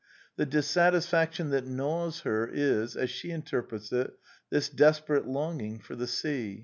The dissat isfaction that gnaws her is, as she interprets it, this desperate longing for the sea.